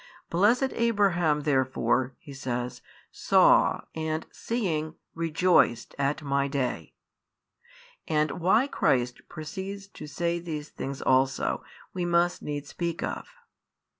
Blessed Abraham therefore (He says) saw and seeing rejoiced at My Day. And why Christ proceeds to say these things also, we must needs speak of.